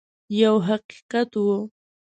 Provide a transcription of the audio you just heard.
یو حقیقت وو.